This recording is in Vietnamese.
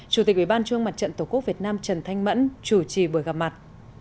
chủ tịch ubndtqvn trần thanh mẫn chủ trì buổi gặp mặt